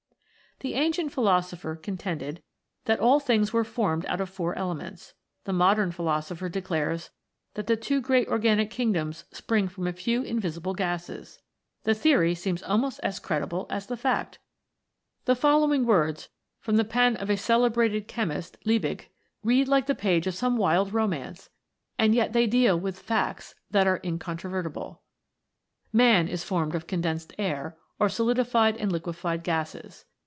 The ancient philosopher contended that all things were formed out of four elements : the modern philosopher declares that the two great organic kingdoms spring from a few invisible gases. The theory seems almost as credible as the fact ! The following words from the pen of a celebrated che mist,* read like a page of some wild romance, and * Liebig. E 60 yet they deal with facts that are incontrovertible :" Man is formed of condensed air (or solidified and liquefied gapes).